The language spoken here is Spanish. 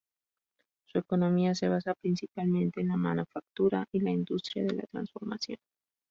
Su economía se basa principalmente en la manufactura y la industria de la transformación.